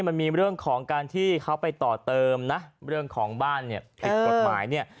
มันมีเรื่องของการที่เขาไปต่อเติมนะเรื่องของบ้านติดปรับหมาย